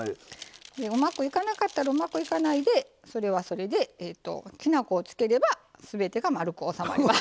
うまくいかなかったらうまくいかないでそれはそれで、きなこをつければすべてが丸く収まります。